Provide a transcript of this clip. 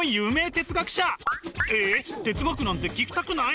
哲学なんて聞きたくない？